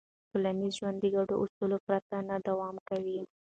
ټولنیز ژوند د ګډو اصولو پرته نه دوام کوي.